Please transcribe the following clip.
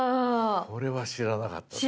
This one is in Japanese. これは知らなかったよ。